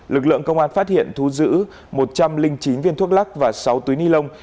lực lượng công an phát hiện thu giữ một trăm linh chín viên thuốc lắc và sáu túi ni lông